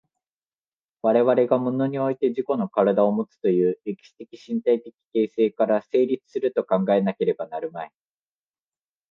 我々が物において自己の身体をもつという歴史的身体的形成から成立すると考えなければなるまい。